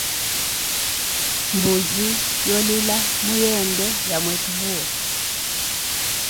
Mbuzi yo lila muyende ya mwetu buwo.